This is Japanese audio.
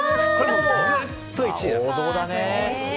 ずっと１位だと。